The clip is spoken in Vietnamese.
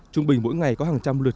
trung bình mỗi ngày có hàng trăm lượt